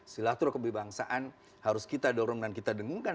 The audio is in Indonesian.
silaturahmi kebangsaan harus kita dorong dan kita dengungkan